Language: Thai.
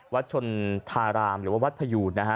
วัดชนธารามหรือว่าวัดพยูนนะฮะ